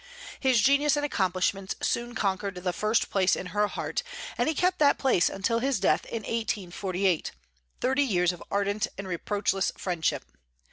His genius and accomplishments soon conquered the first place in her heart; and he kept that place until his death in 1848, thirty years of ardent and reproachless friendship.